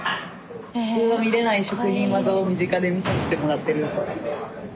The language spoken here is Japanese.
普通は見れない職人業を身近で見させてもらってる。